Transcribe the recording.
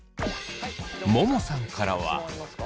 ももさんからは。